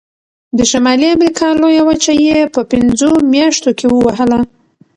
د شمالي امریکا لویه وچه یې په پنځو میاشتو کې ووهله.